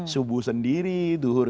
subuh sendiri duhur